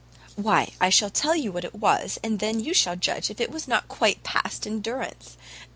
"Why, I'll tell you what it was, and then you shall judge if it was not quite past endurance.